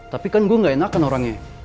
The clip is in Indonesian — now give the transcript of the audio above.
tapi kan gue gak enakan orangnya